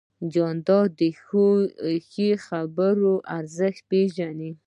جانداد د ښې یوې خبرې ارزښت پېژني.